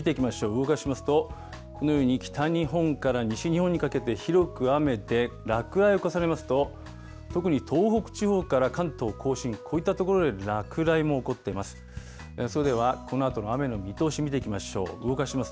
動かしますと、このように北日本から西日本にかけて広く雨で落雷を重ねますと、特に東北地方から関東甲信、こういった所で落雷も起こっています。